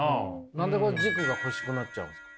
何で軸が欲しくなっちゃうんですか？